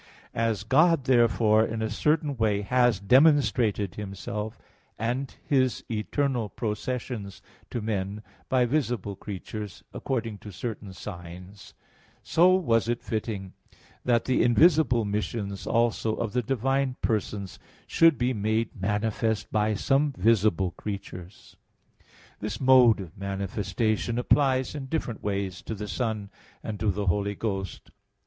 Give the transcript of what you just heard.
As God, therefore, in a certain way has demonstrated Himself and His eternal processions to men by visible creatures, according to certain signs; so was it fitting that the invisible missions also of the divine persons should be made manifest by some visible creatures. This mode of manifestation applies in different ways to the Son and to the Holy Ghost.